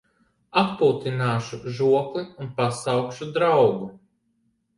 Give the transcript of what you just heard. Atpūtināšu žokli un pasaukšu draugu.